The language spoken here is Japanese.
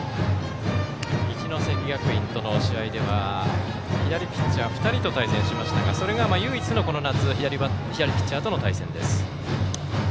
一関学院との試合では左ピッチャーと対戦しましたがこれが、この夏唯一の左ピッチャーとの対戦です。